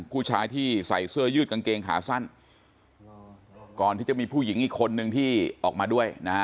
ผู้ชายที่ใส่เสื้อยืดกางเกงขาสั้นก่อนที่จะมีผู้หญิงอีกคนนึงที่ออกมาด้วยนะฮะ